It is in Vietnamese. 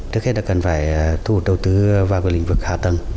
trước hết là cần phải thu hút đầu tư vào cái lĩnh vực hạ tầng